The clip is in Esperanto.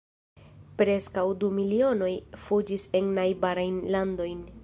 Preskaŭ du milionoj fuĝis en najbarajn landojn.